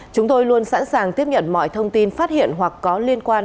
chúng tôi luôn sẵn sàng tiếp nhận mọi thông tin phát hiện hoặc có liên quan